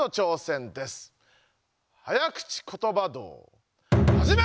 早口ことば道はじめ！